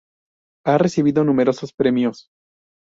Ha recibido numerosos premios.